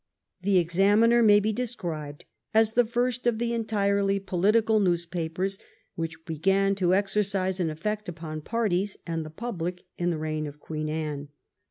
The Examiner may be described as the first of the entirely political newspapers which began to exercise an efiFect upon parties and the public in the reign of Queen Anne.